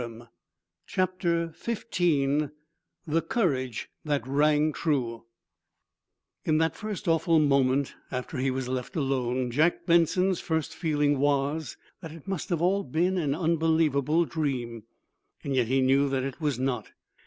_" CHAPTER XV THE COURAGE THAT RANG TRUE In that first awful moment after he was left alone, Jack Benson's first feeling was that it must all be an unbelievable dream. Yet he knew that it was not.